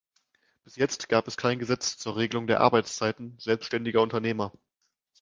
Bis jetzt gab es kein Gesetz zur Regelung der Arbeitszeiten selbstständiger Unternehmer.